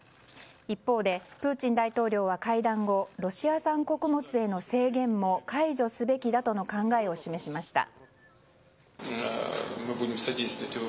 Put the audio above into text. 一方でプーチン大統領は会談後ロシア産穀物への制限も解除すべきだとの考えを示しました。